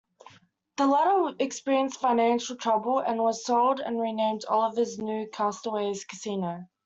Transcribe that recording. The latter experienced financial trouble and was sold and renamed Oliver's New Castaways Casino.